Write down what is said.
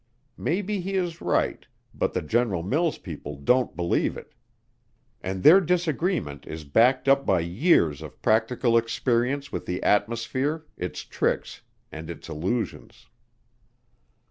Maybe he is right, but the General Mills people don't believe it. And their disagreement is backed up by years of practical experience with the atmosphere, its tricks and its illusions.